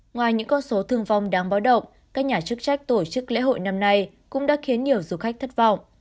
ngoài những con số thương vong đáng báo động các nhà chức trách tổ chức lễ hội năm nay cũng đã khiến nhiều du khách thất vọng